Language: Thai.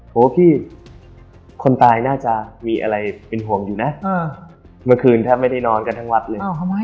พี่คนตายน่าจะมีอะไรเป็นห่วงอยู่นะเมื่อคืนแทบไม่ได้นอนกันทั้งวัดเลย